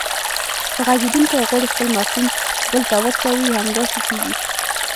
که غږیدونکی غواړي خپل مفهوم بل ته ورسوي همداسې کیږي